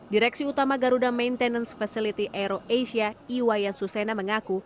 direksi utama garuda maintenance facility aero asia iwayan susena mengaku